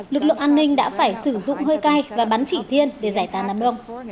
lực lượng an ninh đã phải sử dụng hơi cay và bắn chỉ thiên để giải tàn nằm lông